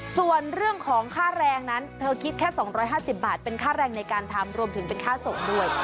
ส่วนเรื่องของค่าแรงนั้นเธอคิดแค่๒๕๐บาทเป็นค่าแรงในการทำรวมถึงเป็นค่าส่งด้วย